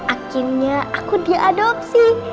akhirnya aku diadopsi